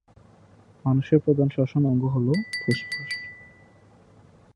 মানুষের প্রধান শ্বসন অঙ্গ হলো ফুসফুস।